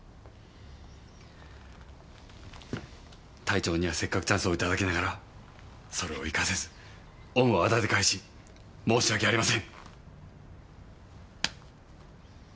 隊長にはせっかくチャンスをいただきながらそれを生かせず恩をあだで返し申し訳ありません。